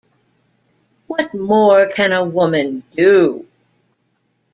What More Can a Woman Do?